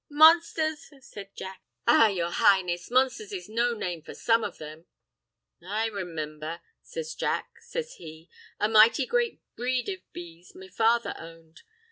"Monsthers!" says Jack. "Ah, yer Highness, monsthers is no name for some of them. I remimber," says Jack, says he, "a mighty great breed of bees me father owned.